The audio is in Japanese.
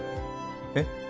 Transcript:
えっ？